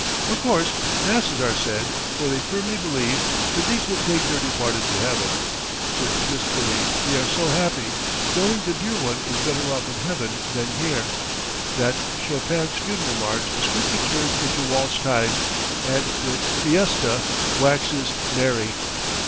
Of course masses are said, for they firmly believe that these will take their departed to heaven. With this belief they are so happy, knowing the dear one is better off in heaven than here, that Chopin's funeral march is quickly turned into waltz time, and the fiesta waxes merry!